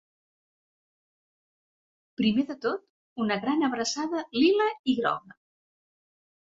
Primer de tot, una gran abraçada lila i groga!